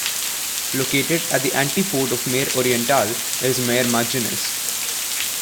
Located at the antipode of Mare Orientale is Mare Marginis.